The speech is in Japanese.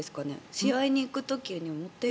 試合に行く時にもっていって。